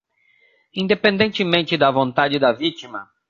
independentemente da vontade da vítima